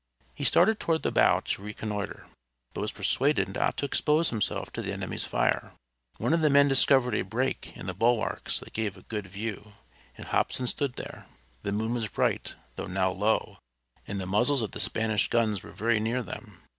He started toward the bow to reconnoiter, but was persuaded not to expose himself to the enemy's fire. One of the men discovered a break in the bulwarks that gave a good view, and Hobson stood there. The moon was bright, though now low, and the muzzles of the Spanish guns were very near them.